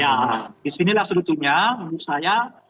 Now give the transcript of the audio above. ya disinilah sebetulnya menurut saya